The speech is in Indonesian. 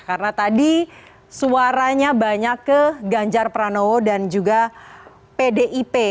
karena tadi suaranya banyak ke ganjar pranowo dan juga pdip